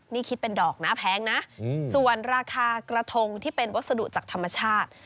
นี่คิดเป็นดอกนะแพงนะส่วนราคากระทงที่เป็นวัสดุจากธรรมชาติ